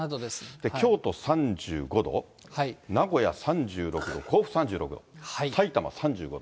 京都３５度、名古屋３６度、甲府３６度、さいたま３５度。